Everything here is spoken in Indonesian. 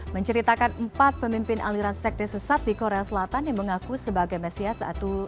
menceritakan empat pemimpin aliran sekte sesat di korea selatan yang mengaku sebagai mesias